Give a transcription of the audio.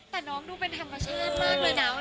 แต่น้องดูเป็นธรรมชาติมากเลยนะ